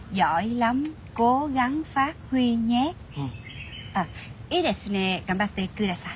アッ「いいですね頑張って下さい」。